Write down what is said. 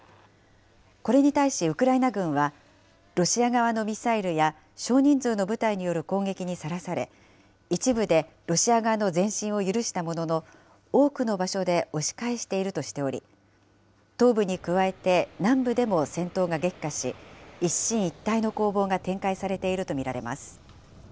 これに対し、ウクライナ軍はロシア側のミサイルや少人数の部隊による攻撃にさらされ、一部でロシア側の前進を許したものの、多くの場所で押し返しているとしており、東部に加えて南部でも戦闘が激化し、一進一退の攻防が展開されていると見られます。